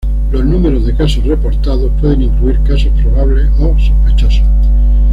Los números de casos reportados pueden incluir casos probables o sospechosos.